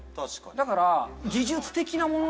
だから。